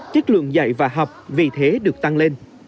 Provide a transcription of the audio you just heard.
chất lượng dạy và học vì thế được tăng lên